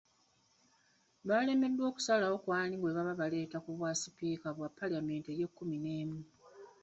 Baalemeddwa okusalawo ku ani gwe baba baleeta ku bwa Sipiika bwa Palamenti y’ekkumi n'emu.